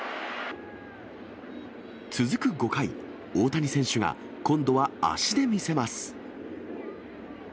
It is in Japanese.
続く５回、大谷選手が今度は足で見せます。